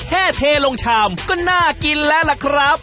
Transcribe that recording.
แค่เป็นลองชามก็น่ากินแล้วล่ะครับ